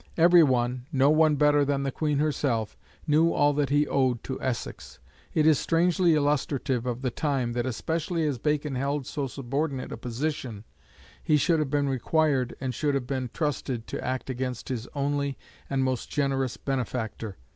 Every one, no one better than the Queen herself, knew all that he owed to Essex. It is strangely illustrative of the time, that especially as Bacon held so subordinate a position, he should have been required, and should have been trusted, to act against his only and most generous benefactor.